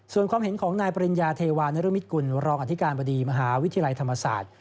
ส่วนความเห็นของนายปริญญาเทวานรุมิตกุลรองอธิการบดีมหาวิทยาลัยธรรมศาสตร์